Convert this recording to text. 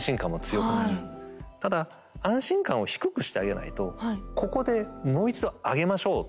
ただ安心感を低くしてあげないとここでもう一度上げましょう。